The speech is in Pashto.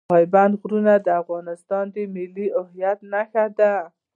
پابندی غرونه د افغانستان د ملي هویت نښه ده.